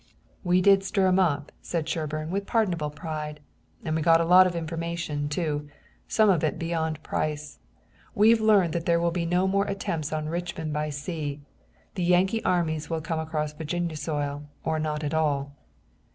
"We did stir 'em up," said Sherburne with pardonable pride, "and we got a lot of information, too, some of it beyond price. We've learned that there will be no more attempts on Richmond by sea. The Yankee armies will come across Virginia soil or not at all."